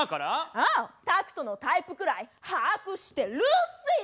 うんタクトのタイプくらい把握してルーシー！